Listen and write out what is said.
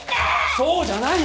そうじゃないよ！